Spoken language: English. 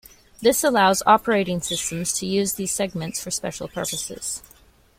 This allows operating systems to use these segments for special purposes.